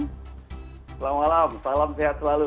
selamat malam salam sehat selalu